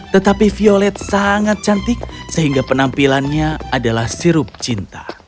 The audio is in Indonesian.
tetapi violet sangat cantik sehingga penampilannya adalah sirup cinta